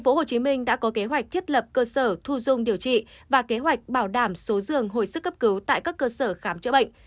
tp hcm đã có kế hoạch thiết lập cơ sở thu dung điều trị và kế hoạch bảo đảm số giường hồi sức cấp cứu tại các cơ sở khám chữa bệnh